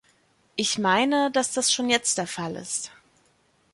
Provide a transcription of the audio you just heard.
Ich meine, dass das schon jetzt der Fall ist.